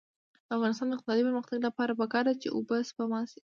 د افغانستان د اقتصادي پرمختګ لپاره پکار ده چې اوبه سپما شي.